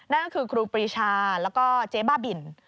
นั่นคือกรุงปริชาแล้วก็เจ๊บ้าบิล